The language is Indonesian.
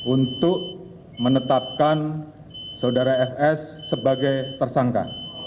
untuk menetapkan saudara fs sebagai tersangka